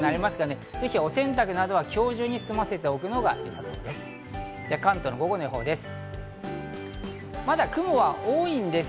お洗濯などは今日中に済ませておくのがよさそうです。